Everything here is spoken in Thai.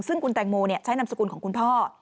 ซึ่งคุณแตงโมใช้นามสกุลของคุณพ่อ